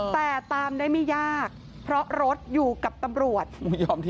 แต่ตามได้ไม่ยากเพราะรถอยู่กับตำรวจ